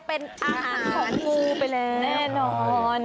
ขนมู้ไปเลยแน่นอน